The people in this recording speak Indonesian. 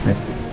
oh makasih ya